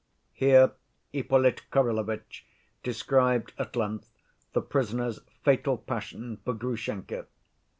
Here Ippolit Kirillovitch described at length the prisoner's fatal passion for Grushenka.